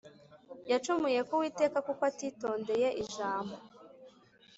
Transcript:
yacumuye ku Uwiteka kuko atitondeye ijambo